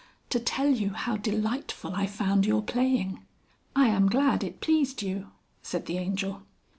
"To tell you how delightful I found your playing." "I am glad it pleased you," said the Angel.